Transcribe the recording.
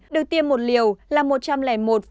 được tiêm một liều là một trăm linh một bốn mươi hai